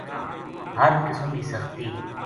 ہر قسم کی سختی